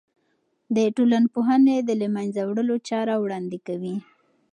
د ټولنپوهنه د له منځه وړلو چاره وړاندې کوي.